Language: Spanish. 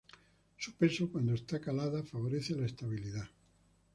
Su peso, cuando está calada, favorece la estabilidad.